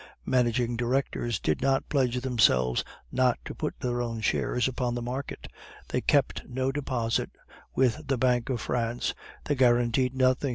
Managing directors did not pledge themselves not to put their own shares upon the market; they kept no deposit with the Bank of France; they guaranteed nothing.